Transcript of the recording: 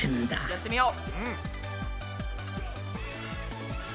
やってみよう！